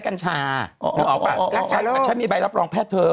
กันชาอยู่ในนี้